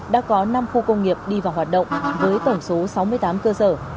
đã có năm khu công nghiệp đi vào hoạt động với tổng số sáu mươi tám cơ sở